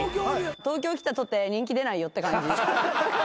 東京来たとて人気出ないよって感じ。